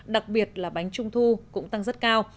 đặc biệt là bánh trung thu cũng tăng rất cao